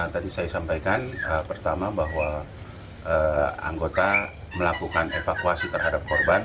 tadi saya sampaikan pertama bahwa anggota melakukan evakuasi terhadap korban